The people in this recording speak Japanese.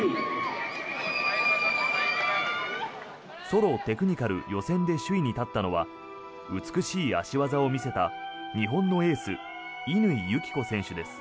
ソロ・テクニカル予選で首位に立ったのは美しい脚技を見せた日本のエース乾友紀子選手です。